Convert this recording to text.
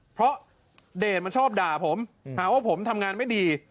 เพราะเดชมันชอบด่าผมหาว่าผมทำงานไม่ดี